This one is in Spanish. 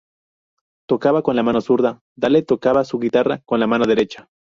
Tocaba con la mano zurda, Dale tocaba su guitarra con la mano derecha.